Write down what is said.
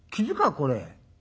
これ」。